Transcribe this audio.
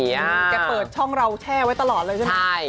แกเปิดช่องเราแช่ไว้ตลอดเลยใช่ไหม